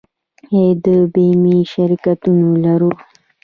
آیا د بیمې شرکتونه لرو؟